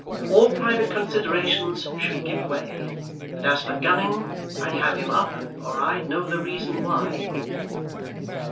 All private considerations should give way. And as for Gunning, I'd have him up or I'd know the reason why."